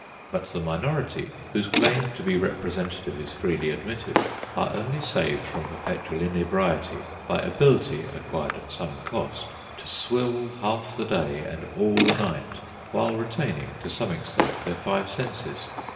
But the minority, whose claim to be representative is freely admitted, are only saved from perpetual inebriety by ability, acquired at some cost, to swill half the day and all the night, while retaining to some extent their five senses.